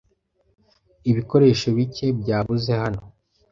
Ibikoresho bike byabuze hano.